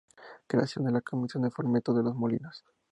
Creación de la Comisión de Fomento de Los Molinos.